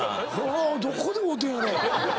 どこで会うてんやろ？